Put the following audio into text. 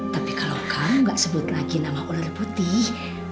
tapi kalau kamu gak sebut lagi nama ular putih